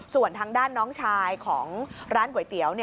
ส่วนทางด้านน้องชายของร้านก๋วยเตี๋ยว